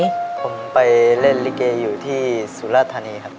ผมไปเล่นลิเกอยู่ที่สุราธานีครับ